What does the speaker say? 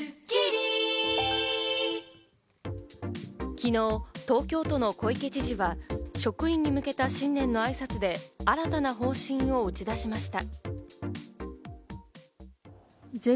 昨日、東京都の小池知事は、職員に向けた新年の挨拶で新たな方針を打ち出しました。